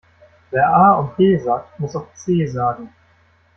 Wer A und B sagt, muss auch C sagen.